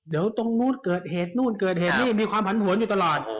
เดี๋ยวตรงนู้นเกิดเหตุมีความผลันผลอยู่ตลอด